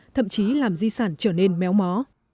thậm chí làm di sản trở nên méo mó